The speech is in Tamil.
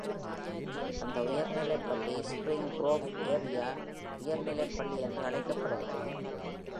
அந்த உயர்நிலைப்பள்ளி Spring Grove Area உயர்நிலைப்பள்ளி என்று அழைக்கப்படுகிறது.